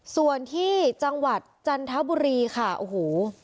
ส่วนที่จังหวัดจันทบุรีค่ะโอ้โห